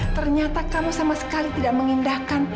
ternyata kamu sama sekali tidak mengindahkan